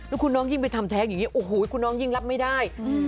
แล้วคุณน้องยิ่งไปทำแท้งอย่างนี้โอ้โหคุณน้องยิ่งรับไม่ได้